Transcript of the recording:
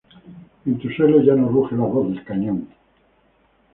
En tu suelo, ya no ruge la voz del cañón.